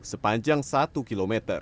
sepanjang satu km